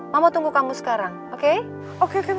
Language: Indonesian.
mama tunggu kamu sekarang oke